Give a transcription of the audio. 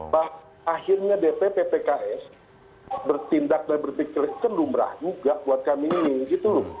bah akhirnya dpp pks bertindak dan berpikir kenumrah juga buat kami ini